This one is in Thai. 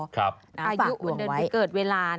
อายุวันเดือนปีเกิดเวลา